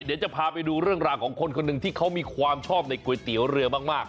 เดี๋ยวจะพาไปดูเรื่องราวของคนคนหนึ่งที่เขามีความชอบในก๋วยเตี๋ยวเรือมาก